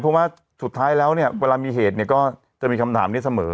เพราะว่าสุดท้ายแล้วเนี่ยเวลามีเหตุเนี่ยก็จะมีคำถามนี้เสมอ